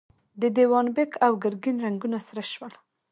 د دېوان بېګ او ګرګين رنګونه سره شول.